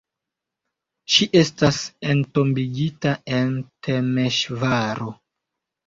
Ŝi estas entombigita en Temeŝvaro.